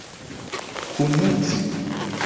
kunuzi